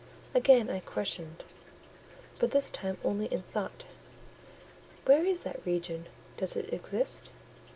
Again I questioned, but this time only in thought. "Where is that region? Does it exist?"